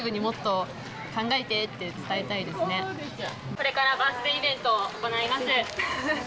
これからバースデーイベントを行います。